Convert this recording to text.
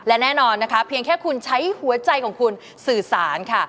และแน่นอนนะคะเพียงแค่คุณใช้หัวใจของคุณสื่อสารค่ะ